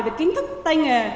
về kiến thức tay nghề